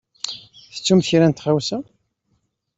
Tettumt kra n tɣawsa?